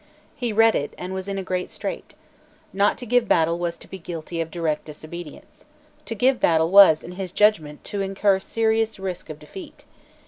He read it, and was in a great strait. Not to give battle was to be guilty of direct disobedience. To give battle was, in his judgment, to incur serious risk of defeat.